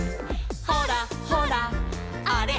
「ほらほらあれあれ」